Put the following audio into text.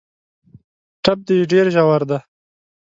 ټپ دي ډېر ژور دی .